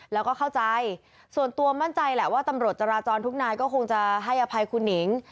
แล้วก็เข้าใจส่วนตัวมั่นใจแหละว่าตำรวจจราจรทุกนายก็คงจะให้อภัยคุณหนิง